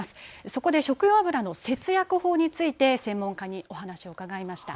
そこで食用油の節約法について専門家にお話を伺いました。